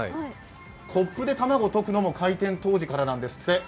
コップで卵を溶くのも開店当時からなんですって。